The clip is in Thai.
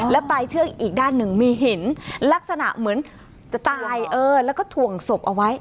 และปลายเชือกอีกด้านหนึ่งมีหินลักษณะเหมือนจะตายแล้วก็ถ่วงศพเอาไว้